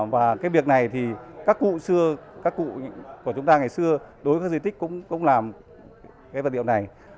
và cái việc này thì các cụ xưa các cụ của chúng ta ngày xưa đối với các di tích cũng làm cái vật liệu này